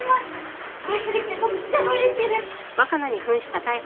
ご一緒できてとってもうれしいです。